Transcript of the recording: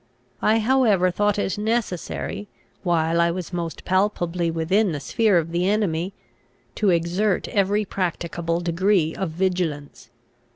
I however thought it necessary, while I was most palpably within the sphere of the enemy, to exert every practicable degree of vigilance.